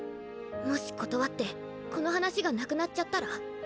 もし断ってこの話がなくなっちゃったら？